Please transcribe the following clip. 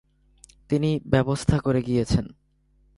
তিনি ব্যবস্থা করে গিয়েছেন।